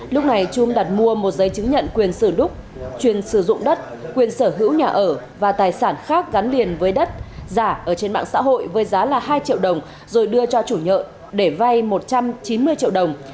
lúc này trung đặt mua một giấy chứng nhận quyền sử đúc chuyên sử dụng đất quyền sở hữu nhà ở và tài sản khác gắn liền với đất giả ở trên mạng xã hội với giá là hai triệu đồng rồi đưa cho chủ nợ để vay một trăm chín mươi triệu đồng